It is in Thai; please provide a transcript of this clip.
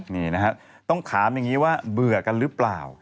นี่นะฮะต้องถามอย่างนี้ว่าเบื่อกันหรือเปล่า